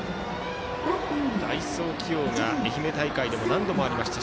代走起用が愛媛大会でも何度もありました。